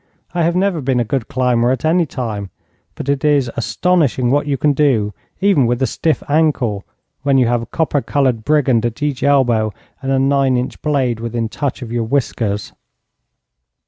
I have never been a good climber at any time, but it is astonishing what you can do, even with a stiff ankle, when you have a copper coloured brigand at each elbow and a nine inch blade within touch of your whiskers.